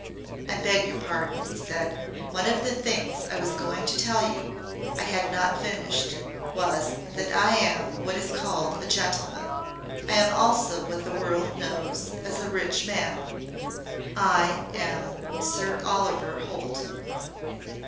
"I beg your pardon," he said. "One of the things I was going to tell you I had not finished was that I AM what is called a gentleman. I am also what the world knows as a rich man. I am Sir Oliver Holt."